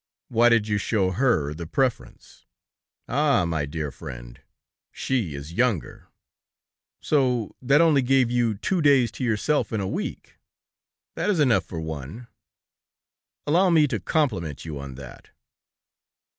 "Why did you show her the preference?" "Ah! My dear friend, she is younger." "So that only gave you two days to yourself in a week." "That is enough for one." "Allow me to compliment you on that."